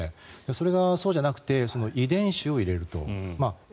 それがそうじゃなくて遺伝子を入れると。